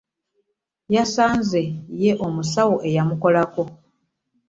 Yasanze ye musawo eyamukolako.